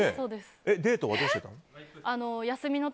デートはどうしてたの？